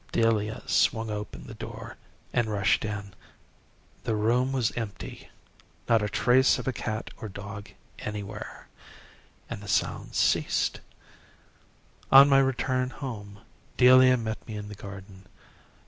Delia swung open the door and rushed in. The room was empty not a trace of a cat or dog anywhere and the sounds ceased! On my return home Delia met me in the garden.